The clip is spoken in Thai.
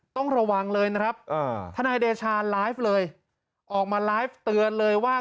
ต้องระวังเลยนะครับทนายเดชาไลฟ์เลยออกมาไลฟ์เตือนเลยว่า